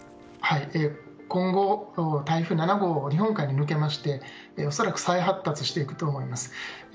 今後、台風７号は日本海に抜けまして恐らく再発達していくと思います。